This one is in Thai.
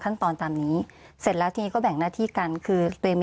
ตามนี้เสร็จแล้วทีนี้ก็แบ่งหน้าที่กันคือตัวเองมี